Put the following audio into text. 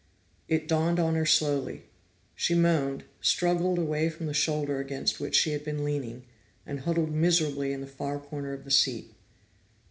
It dawned on her slowly. She moaned, struggled away from the shoulder against which she had been leaning, and huddled miserably in the far corner of the seat.